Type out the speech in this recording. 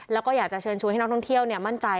แล้วก็อยากจะเชิญชวนให้นักท่องเที่ยวมั่นใจ